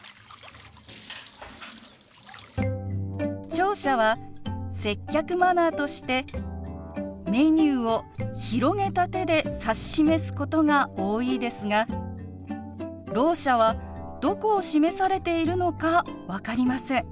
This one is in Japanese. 聴者は接客マナーとしてメニューを広げた手で指し示すことが多いですがろう者はどこを示されているのか分かりません。